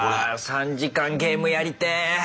３時間ゲームやりてぇ。